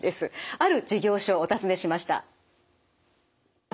ある事業所をお訪ねしました。